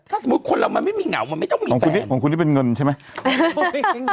ถ้าสมมุติคนเรามันไม่มีเหงามันไม่ต้องมีของคุณที่เป็นเงินใช่ไหม